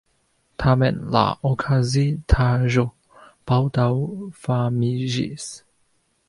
Tamen la okazintaĵo baldaŭ famiĝis.